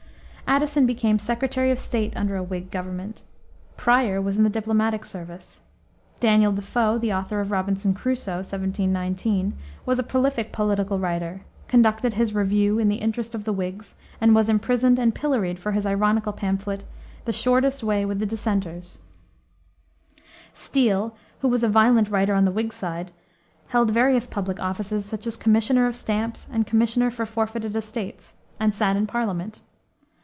Addison became Secretary of State under a Whig government. Prior was in the diplomatic service. Daniel De Foe, the author of Robinson Crusoe, 1719, was a prolific political writer, conducted his Review in the interest of the Whigs and was imprisoned and pilloried for his ironical pamphlet, The Shortest Way with the Dissenters. Steele, who was a violent writer on the Whig side, held various public offices, such as Commissioner of Stamps and Commissioner for Forfeited Estates, and sat in Parliament.